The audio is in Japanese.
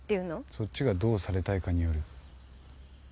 そっちがどうされたいかによる。